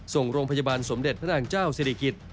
ส่งโรงพยาบาลสมเด็จพระนางเจ้าศิริกิจ